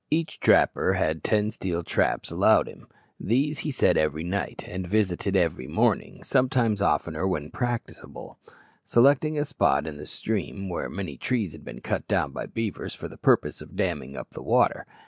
Each trapper had ten steel traps allowed him. These he set every night, and visited every morning, sometimes oftener when practicable, selecting a spot in the stream where many trees had been cut down by beavers for the purpose of damming up the water.